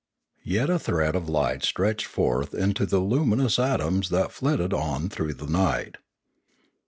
Yet a thread of light stretched forth to the luminous atoms that flitted on through the night.